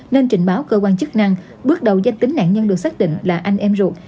nên trình báo cơ quan chức năng bước đầu danh tính nạn nhân được xác định là anh em ruột